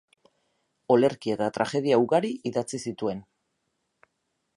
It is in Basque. Olerki eta tragedia ugari idatzi zituen.